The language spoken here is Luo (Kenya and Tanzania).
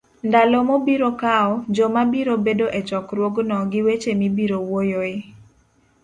ndalo mobiro kawo, joma biro bedo e chokruogno, gi weche mibiro wuoyoe,